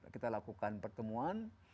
kita lakukan pertemuan